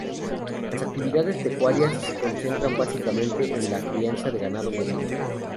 Las actividades pecuarias se concentran básicamente en la crianza de ganado bovino.